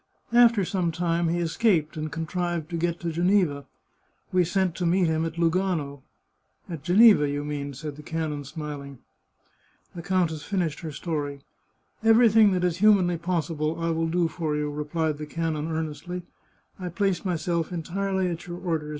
After some time he escaped, and contrived to get to Geneva. We sent to meet him at Lu gano." " At Geneva, you mean," said the canon, smiling. The countess finished her story. " Everything that is humanly possible I will do for you," replied the canon earnestly. " I place myself entirely at your orders.